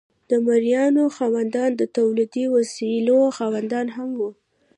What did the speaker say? د مرئیانو خاوندان د تولیدي وسایلو خاوندان هم وو.